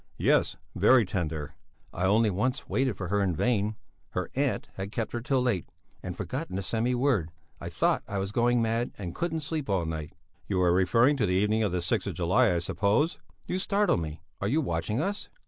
"Yes, very tender!" "I only once waited for her in vain; her aunt had kept her till late and forgotten to send me word. I thought I was going mad and couldn't sleep all night." "You are referring to the evening of the sixth of July, I suppose?" "You startle me! Are you watching us?"